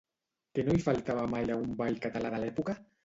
Què no hi faltava mai a un ball català de l'època?